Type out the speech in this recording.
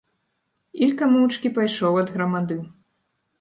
Ілька моўчкі пайшоў ад грамады.